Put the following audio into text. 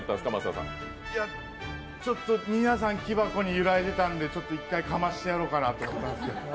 ちょっと皆さん木箱に揺らいでいたのでちょっと一回かましてやろうかなと思ったんですけど。